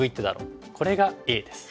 これがＡです。